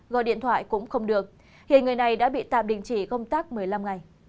gọi điện thoại cũng không được hiện người này đã bị tạm đình chỉ công tác một mươi năm ngày